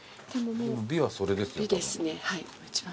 美はそれですよたぶん。